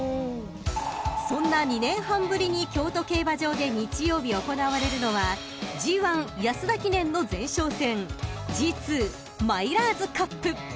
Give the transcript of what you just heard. ［そんな２年半ぶりに京都競馬場で日曜日行われるのはＧⅠ安田記念の前哨戦ＧⅡマイラーズカップ］